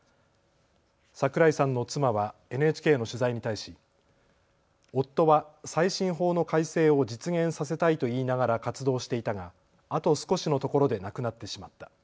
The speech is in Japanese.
桜井さんの妻はＮＨＫの取材に対し夫は再審法の改正を実現させたいと言いながら活動していたがあと少しのところで亡くなってしまった。